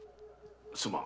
すまん。